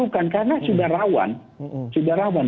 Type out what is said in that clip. karena sudah rawan